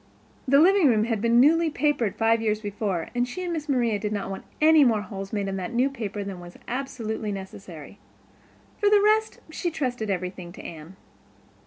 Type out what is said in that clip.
The living room had been newly papered five years before and she and Miss Maria did not want any more holes made in that new paper than was absolutely necessary. For the rest she trusted everything to Anne.